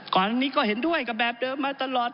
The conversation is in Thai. ก่อนอันนี้ก็เห็นด้วยกับแบบเดิมมาตลอด